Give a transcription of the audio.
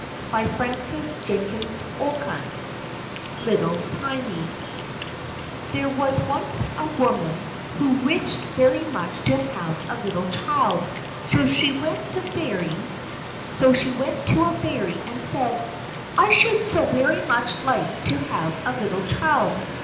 Hudson_ (Condensed) LITTLE TINY There was once a woman who wished very much to have a little child; so she went to a Fairy, and said: "I should so very much like to have a little child.